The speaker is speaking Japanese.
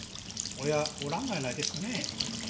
親おらんのやないですかね。